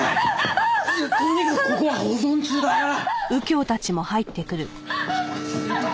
とにかくここは保存中だから。